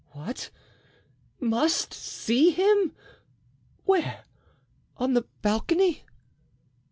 "What! must see him! Where—on the balcony?"